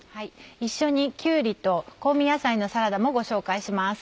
一緒にきゅうりと香味野菜のサラダもご紹介します。